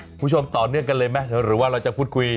คุณผู้ชมต่อเนื่องกันเลยไหมหรือว่าเราจะพูดคุย